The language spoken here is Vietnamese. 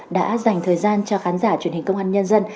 đã dành thời gian cho khán giả truyền hình công an nhân dân